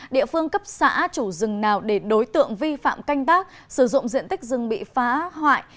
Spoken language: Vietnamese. địa phương cấp xã chủ rừng nào để đối tượng vi phạm canh tác sử dụng diện tích rừng bị phá hoại